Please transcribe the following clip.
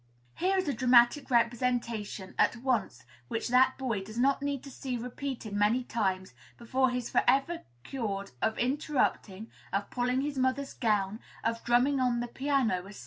Here is a dramatic representation at once which that boy does not need to see repeated many times before he is forever cured of interrupting, of pulling his mother's gown, of drumming on the piano, &c.